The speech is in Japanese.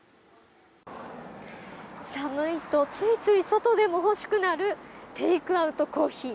寒いとついつい外でも欲しくなるテイクアウトコーヒー。